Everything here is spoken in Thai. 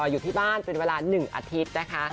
อยู่ที่บ้านเป็นเวลา๑อาทิตย์นะคะ